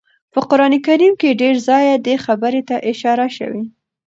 په قران کريم کي ډير ځايه دې خبرې ته اشاره شوي